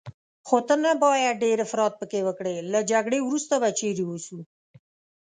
خو ته نه باید ډېر افراط پکې وکړې، له جګړې وروسته به چیرې اوسو؟